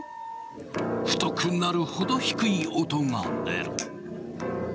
太くなるほど低い音が出る。